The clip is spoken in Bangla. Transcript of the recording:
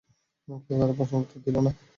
কেউ তার প্রশ্নের কোন উত্তর দিল না।